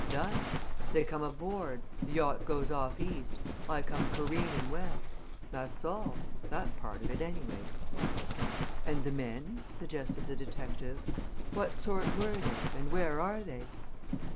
Done! they come aboard the yacht goes off east I come careenin' west. That's all! That part of it anyway." "And the men?" suggested the detective. "What sort were they, and where are they?"